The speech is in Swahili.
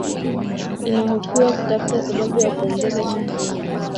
inahofiwa kutafuta sababu ya kuongeza kifungo